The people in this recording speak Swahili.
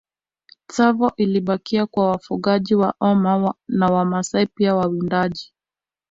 Tsavo ilibakia kwa wafugaji wa Orma na Wamasai pia wawindaji